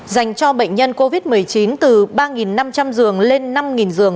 dành cho bệnh nhân covid một mươi chín từ ba năm trăm linh giường lên năm giường